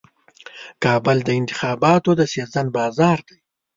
کابل د انتخاباتو د سیزن بازار دی.